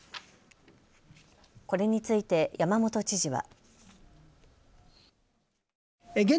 これについて山本知事は。